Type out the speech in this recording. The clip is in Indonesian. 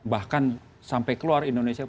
bahkan sampai keluar indonesia